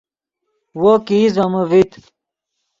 وو کہ ایست ڤے من ڤیت